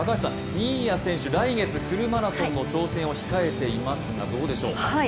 新谷選手、来月フルマラソンの挑戦を控えていますがどうでしょう。